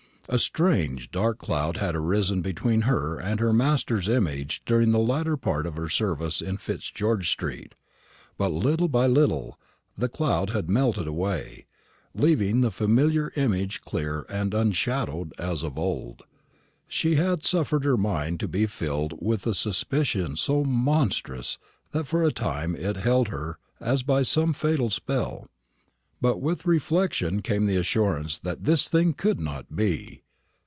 A strange dark cloud had arisen between her and her master's image during the latter part of her service in Fitzgeorge street; but, little by little, the cloud had melted away, leaving the familiar image clear and unshadowed as of old. She had suffered her mind to be filled by a suspicion so monstrous, that for a time it held her as by some fatal spell; but with reflection came the assurance that this thing could not be.